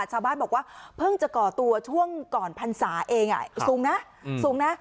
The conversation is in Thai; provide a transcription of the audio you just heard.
ชาวบ้านบอกว่าเพิ่งจะก่อตัวช่วงก่อนพรรษาเองสูงนะสูงนะ